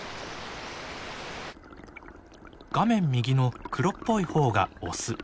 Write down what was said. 画面右の黒っぽい方がオス。